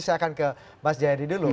saya akan ke mas jayadi dulu